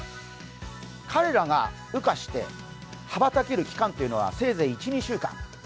彼らが羽化した羽ばたける期間というのはせいぜい１２週間。